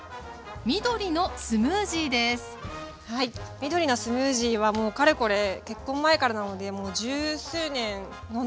緑のスムージーはもうかれこれ結婚前からなのでもう十数年飲んでいます。